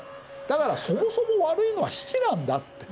だからそもそも悪いのは比企なんだ」って。